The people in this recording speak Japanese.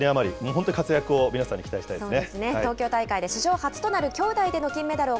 本当に活躍を皆さん期待したいですね。